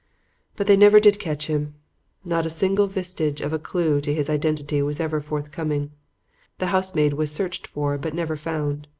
"But they never did catch him. Not a vestige of a clue to his identity was ever forthcoming. The housemaid was searched for but never found.